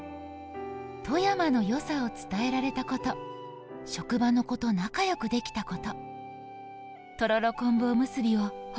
富山の良さを伝えられたこと、職場の子と仲良くできたこと」。